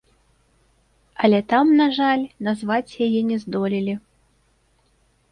Але там, на жаль, назваць яе не здолелі.